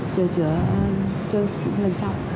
sửa chữa cho lần sau